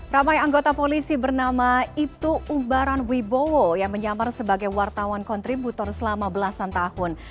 ramai anggota polisi bernama ibtu ubaran wibowo yang menyamar sebagai wartawan kontributor selama belasan tahun